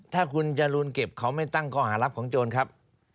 ถ้าคุณจรูนเก็บเขาไม่ตั้งข้อหารับของโจรครับ